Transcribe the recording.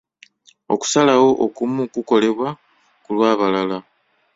Okusalawo okumu kukolebwa ku lw'abalala.